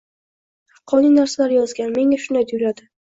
Haqqoniy narsalar yozgan, menga shunday tuyuladi